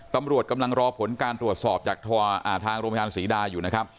ตำรวจกำลังรอผลการตรวจสอบจากทางโรงพยาบาลศรีดาอยู่นะครับ